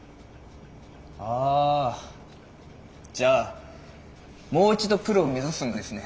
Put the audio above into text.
ああじゃあもう一度プロを目指すんですね？